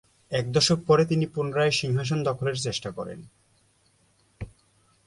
এক দশক পরে তিনি পুনরায় সিংহাসন দখলের চেষ্টা করেন।